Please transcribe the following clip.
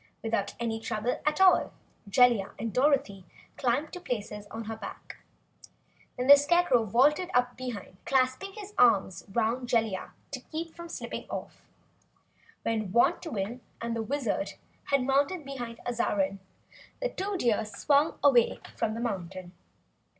Without any trouble at all, Jellia and Dorothy climbed to places on her back. Then the Scarecrow vaulted up behind, clasping his arms 'round Jellia to keep from slipping off. When Wantowin and the Wizard had mounted behind Azarine, the two Deer swung away from the mountain.